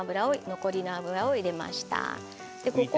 残りの油を入れました。